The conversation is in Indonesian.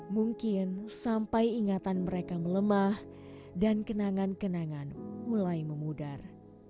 mungkin sampai ingatan mereka melemah dan kenangan kenangan mulai memudar